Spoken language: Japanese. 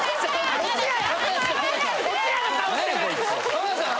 浜田さん！